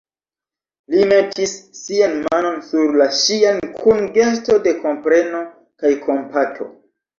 Li metis sian manon sur la ŝian kun gesto de kompreno kaj kompato.